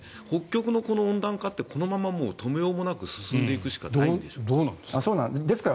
北極の温暖化ってこのまま止めようもなく進んでいくしかないんでしょうか？